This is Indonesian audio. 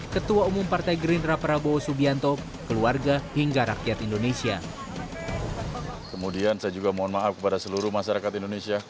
ketua umum partai gerindra prabowo subianto keluarga hingga rakyat indonesia